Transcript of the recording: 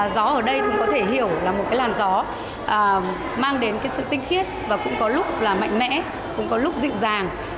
gió ở đây cũng có thể hiểu là một cái làn gió mang đến cái sự tinh khiết và cũng có lúc là mạnh mẽ cũng có lúc dịu dàng